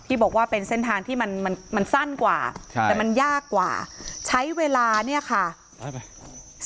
บอกว่าเป็นเส้นทางที่มันมันสั้นกว่าครับแต่มันยากกว่าใช้เวลาเนี่ยค่ะได้ไหม